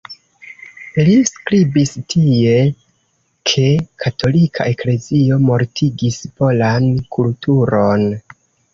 Li skribis tie, ke katolika eklezio "mortigis polan kulturon".